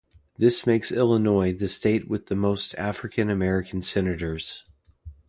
This makes Illinois the state with the most African-American senators.